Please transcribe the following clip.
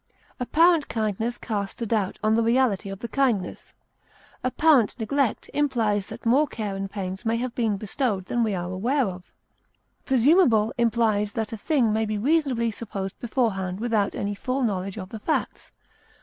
Apparent kindness casts a doubt on the reality of the kindness; apparent neglect implies that more care and pains may have been bestowed than we are aware of. Presumable implies that a thing may be reasonably supposed beforehand without any full knowledge of the facts.